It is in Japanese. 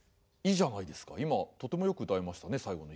今とてもよく謡えましたね最後の一句。